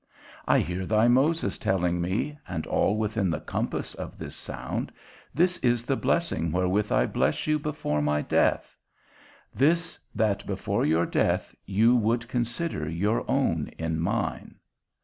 I hear thy Moses telling me, and all within the compass of this sound, This is the blessing wherewith I bless you before my death; this, that before your death, you would consider your own in mine.